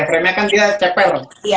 frame nya kan dia cepet